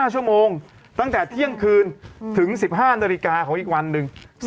๕ชั่วโมงตั้งแต่เที่ยงคืนถึง๑๕นาฬิกาของอีกวันหนึ่ง